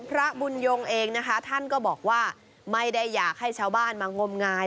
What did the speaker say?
พระบุญยงเองนะคะท่านก็บอกว่าไม่ได้อยากให้ชาวบ้านมางมงาย